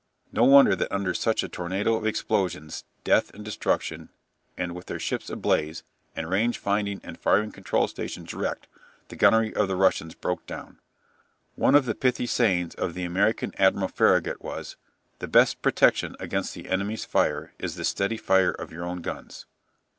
No wonder that under such a tornado of explosions, death and destruction, and with their ships ablaze, and range finding and fire controlling stations wrecked, the gunnery of the Russians broke down. One of the pithy sayings of the American Admiral Farragut was: "The best protection against the enemy's fire is the steady fire of your own guns."